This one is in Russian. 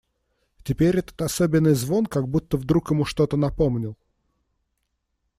Теперь этот особенный звон как будто вдруг ему что-то напомнил.